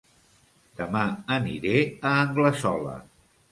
Dema aniré a Anglesola